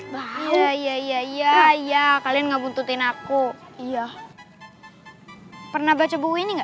bahaya ya ya ya ya kalian nggak butuhin aku iya pernah baca buku ini enggak